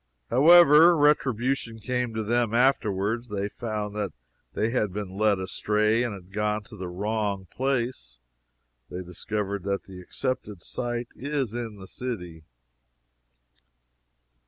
However, retribution came to them afterward. They found that they had been led astray and had gone to the wrong place; they discovered that the accepted site is in the city.